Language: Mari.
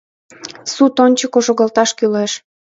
— Суд ончыко шогалташ кӱлеш!